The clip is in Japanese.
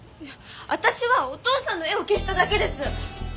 私はお父さんの絵を消しただけです。